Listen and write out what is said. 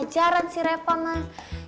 ajaran sih reva mas